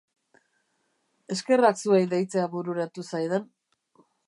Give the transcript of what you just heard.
Eskerrak zuei deitzea bururatu zaidan.